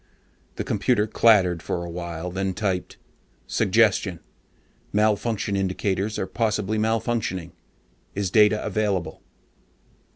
The computer clattered for awhile, then typed: SUGGESTION: MALFUNCTION INDICATORS ARE POSSIBLY MALFUNCTIONING. IS DATA AVAILABLE?